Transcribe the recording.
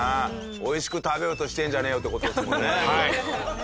おいしく食べようとしてんじゃねえよって事ですもんね。